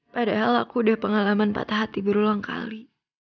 padahal aku udah pengalaman patah hati berulang kali